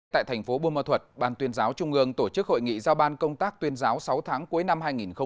tại thành phố buôn ma thuật ban tuyên giáo trung ương tổ chức hội nghị giao ban công tác tuyên giáo sáu tháng cuối năm hai nghìn một mươi chín